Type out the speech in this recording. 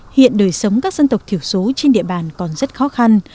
hiện đời sống các dân tộc thiểu số trên địa bàn còn rất khó khăn